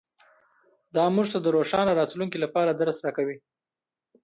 دا موږ ته د روښانه راتلونکي لپاره درس راکوي